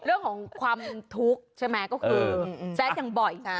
เรื่องของความทุกข์ใช่ไหมก็คือแซดยังบ่อย